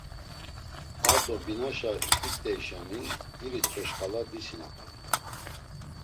Ar do binaşa it̆eyşani iritzo şǩala disinapey.